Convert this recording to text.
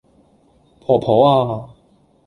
婆婆呀......